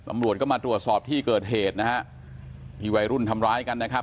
ตำรวจก็มาตรวจสอบที่เกิดเหตุนะฮะที่วัยรุ่นทำร้ายกันนะครับ